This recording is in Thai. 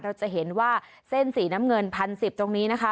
เราจะเห็นว่าเส้นสีน้ำเงิน๑๐๑๐ตรงนี้นะคะ